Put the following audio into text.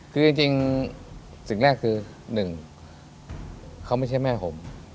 คือจริงสิ่งแรกคือหนึ่งเขาไม่ใช่แม่ผม